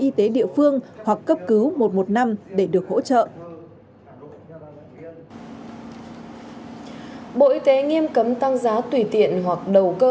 y tế địa phương hoặc cấp cứu một trăm một mươi năm để được hỗ trợ bộ y tế nghiêm cấm tăng giá tùy tiện hoặc đầu cơ